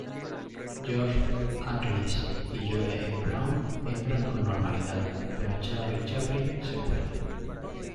George Arliss y Joe E. Brown entran con normalidad, pero Charlie Chaplin se cuela.